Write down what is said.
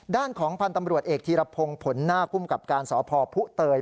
ด้านของพันธุ์ตำรวจเอกทีรพงศ์ผลหน้าคุ้มกับการสอบพอผู้เตย